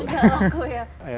nggak laku ya